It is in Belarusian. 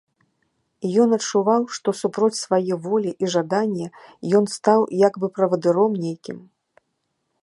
Ён адчуваў, што супроць свае волі і жадання ён стаў як бы правадыром нейкім.